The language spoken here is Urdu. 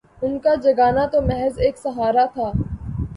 ان کا جگانا تو محض ایک سہارا تھا